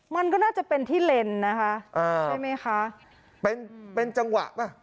มันก็น่าจะเป็นที่เลนนะคะอ่าใช่ไหมคะเป็นเป็นจังหวะป่ะ